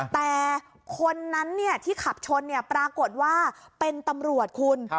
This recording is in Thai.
แต่คนนั้นที่ขับชนปรากฏว่าเป็นตำรวจคุณ